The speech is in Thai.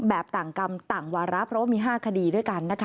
ต่างกรรมต่างวาระเพราะว่ามี๕คดีด้วยกันนะคะ